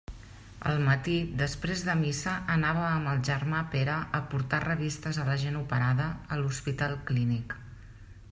Al matí, després de missa, anava amb el germà Pere a portar revistes a la gent operada, a l'Hospital Clínic.